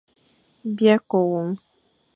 Ba kôa won.